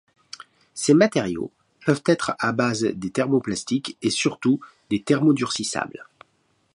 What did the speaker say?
Ces matériaux peuvent être à base des thermoplastiques et surtout des thermodurcissables.